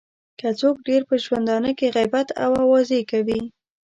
که څوک ډېر په ژوندانه کې غیبت او اوازې کوي.